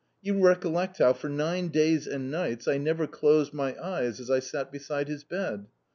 You recollect how, for nine days and nights, I never closed my eyes as I sat beside his bed?